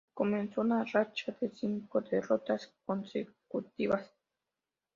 Comenzó una racha de cinco derrotas consecutivas.